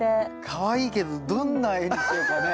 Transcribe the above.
かわいいけどどんな絵にしようかね。